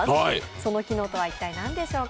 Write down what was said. その機能とは一体なんでしょうか？